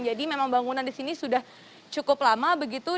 jadi memang bangunan di sini sudah cukup lama begitu